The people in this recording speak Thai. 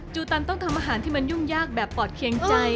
ตันต้องทำอาหารที่มันยุ่งยากแบบปอดเคียงใจ